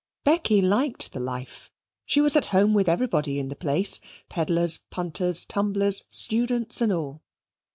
Becky liked the life. She was at home with everybody in the place, pedlars, punters, tumblers, students and all.